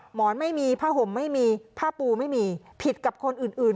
หมอนไม่มีผ้าห่มไม่มีผ้าปูไม่มีผิดกับคนอื่น